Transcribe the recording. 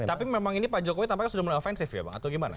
tapi memang ini pak jokowi tampaknya sudah mula ofensif ya pak atau bagaimana